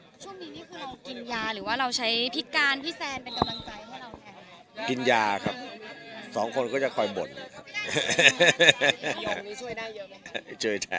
ช่วงนี้นี่คือเรากินยาหรือว่าเราใช้พิการพี่แซนเป็นกำลังใจให้เราแทน